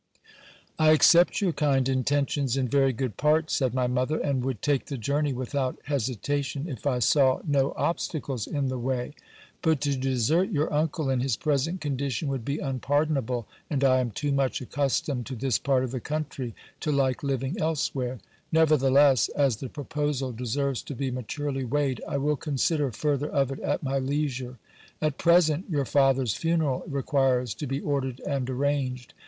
I accept your kind intentions in very good part, said my mother ; and would take the journey without hesitation, if I saw no obstacles in the .way. But to desert your uncle in his present condition would be unpardonable ; and I am too much accustomed to this part of the country, to like living elsewhere : nevertheless, as the proposal deserves to be maturely weighed, I will consider further of it at my leisure. At present, your father's funeral requires to be ordered and arranged.